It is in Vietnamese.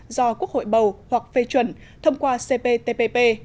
do quốc hội bầu hoặc phê chuẩn thông qua cptpp